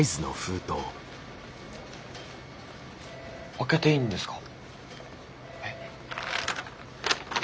開けていいんですか？